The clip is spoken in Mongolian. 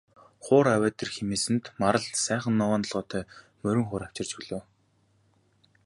Хуур аваад ир хэмээсэнд Марал сайхан ногоон толгойтой морин хуур авчирч өглөө.